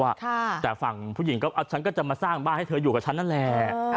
แต่ฝั่งผู้หญิงก็ฉันก็จะมาสร้างบ้านให้เธออยู่กับฉันนั่นแหละ